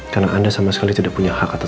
karena anda sama sekali tidak punya hak atas rena